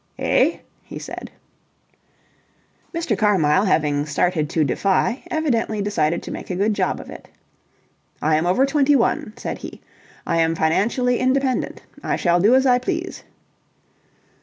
"Eh?" he said. Mr. Carmyle having started to defy, evidently decided to make a good job of it. "I am over twenty one," said he. "I am financially independent. I shall do as I please."